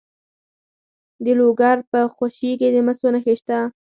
د لوګر په خوشي کې د مسو نښې شته.